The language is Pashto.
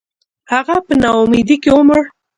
• هغه په ناامیدۍ کې ومړ.